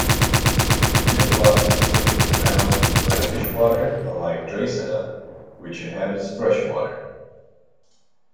"Mytilopsis" is typically found in brackish water, unlike "Dreissena", which inhabits fresh water.